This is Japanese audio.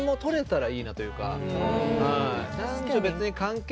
はい。